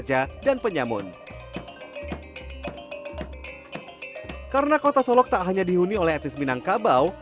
nah ini pertama kali ikut bawahnya seperti ini